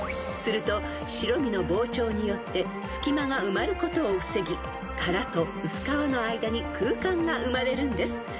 ［すると白身の膨張によって隙間が埋まることを防ぎ殻と薄皮の間に空間が生まれるんです］